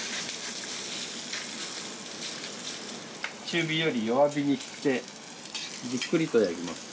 中火より弱火にしてじっくりとやります。